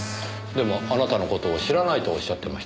でもあなたの事を知らないとおっしゃってましたねぇ。